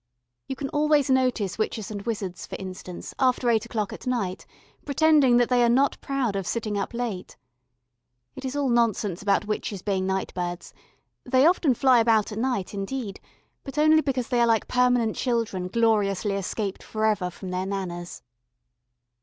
You can always notice witches and wizards, for instance, after eight o'clock at night, pretending that they are not proud of sitting up late. It is all nonsense about witches being night birds; they often fly about at night, indeed, but only because they are like permanent children gloriously escaped for ever from their Nanas.